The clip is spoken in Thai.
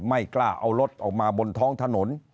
ไม่กล้าเอารถออกมาบนท้องถนน